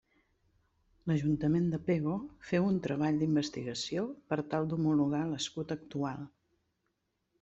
L'Ajuntament de Pego feu un treball d'investigació per tal d'homologar l'escut actual.